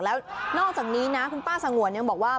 แล้วนอกจากนี้นะคุณป้าสงวนยังบอกว่า